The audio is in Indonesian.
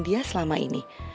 dia selama ini